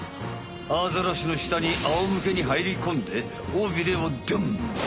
アザラシのしたにあおむけにはいりこんで尾ビレをドン！